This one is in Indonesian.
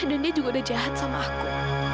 dan dia juga udah jahat sama aku